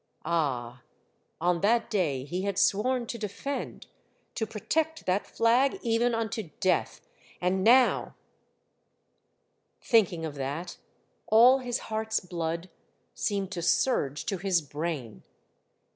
Ah, on that day he had sworn to defend, to protect that flag, even unto death ! and now — Thinking of that, all his heart's blood seemed to surge to his brain.